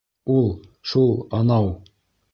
Ул, шул, анау